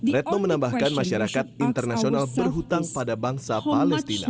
retno menambahkan masyarakat internasional berhutang pada bangsa palestina